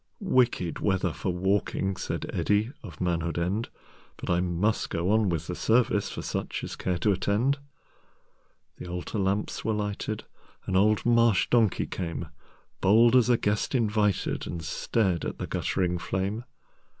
"'Wicked weather for walking,"Said Eddi of Manhood End."But I must go on with the serviceFor such as care to attend."The altar lamps were lighted,—An old marsh donkey came, Bold as a guest invited, And stared at the guttering flame.